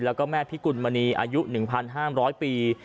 แล้วก็แม่พิกุลมณีอายุ๑๕๐๐ปี